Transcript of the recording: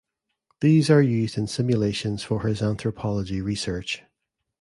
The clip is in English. These are used in simulations for his anthropology research.